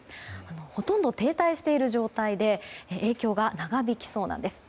ほとんど停滞している状態で影響が長引きそうなんです。